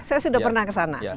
saya sudah pernah ke sana